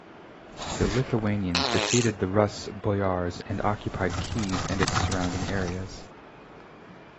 The Lithuanians defeated the Rus' boyars and occupied Kiev and its surrounding areas.